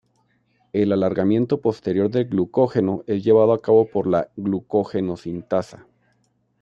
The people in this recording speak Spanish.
El alargamiento posterior del glucógeno es llevado a cabo por la glucógeno sintasa.